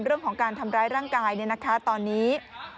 เรื่องของการทำร้ายร่างกายเนี่ยนะคะตอนนี้